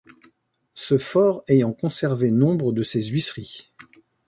Ce fort ayant conservé nombre de ses huisseries.